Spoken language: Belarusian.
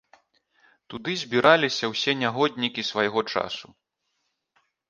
Туды збіраліся ўсе нягоднікі свайго часу.